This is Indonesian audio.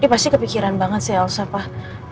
dia pasti kepikiran banget sih elsa pak